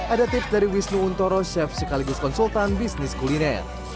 ada tips dari wisnu untoro chef sekaligus konsultan bisnis kuliner